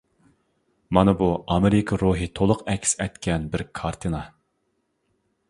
مانا بۇ ئامېرىكا روھى تولۇق ئەكس ئەتكەن بىر كارتىنا.